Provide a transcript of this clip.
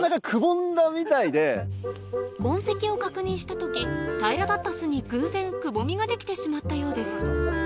痕跡を確認した時平らだった巣に偶然くぼみができてしまったようです